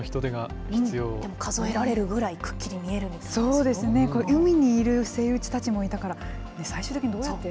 数えられるぐらいくっきり見そうですね、これ、海にあるセイウチたちもいたから、最終的にどうやって。